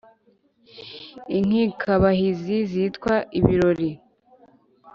inkikabahizi zitwa ibirori.